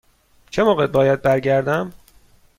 چه موقع باید برگردم؟